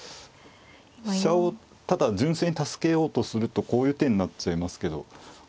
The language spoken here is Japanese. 飛車をただ純粋に助けようとするとこういう手になっちゃいますけど。